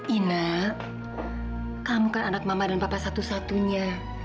ina kamu kan anak mama dan papa satu satunya